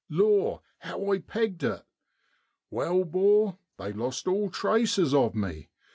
Law ! how I pegged it ! Wai, 'bor, they lost all traces of me.